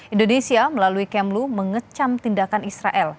indonesia melalui kemlu mengecam tindakan israel